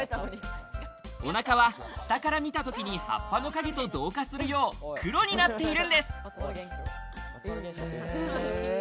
お腹は下から見たときに葉っぱの影と同化するよう、黒になっているんです。